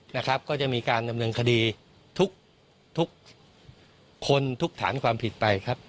นะครับก็จะมีการดำเนินคดีทุกทุกคนทุกฐานความผิดไปครับ